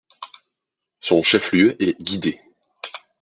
Son chef-lieu est Guider.